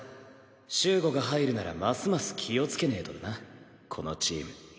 秀吾が入るならますます気をつけねえとだなこのチーム。